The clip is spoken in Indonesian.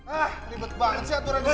ah ribet banget sih aturan ini